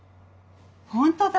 本当だ！